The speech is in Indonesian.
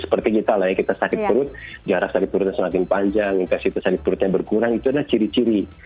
seperti kita lah ya kita sakit perut jarak sakit perutnya semakin panjang intensitas sakit perutnya berkurang itu adalah ciri ciri